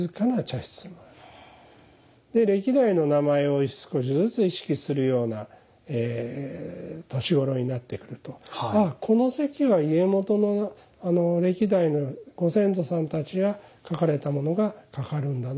で歴代の名前を少しずつ意識するような年頃になってくるとこの席は家元の歴代のご先祖さんたちが書かれたものが掛かるんだな。